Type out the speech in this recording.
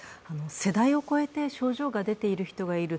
世代を超えて症状が出ている人がいる。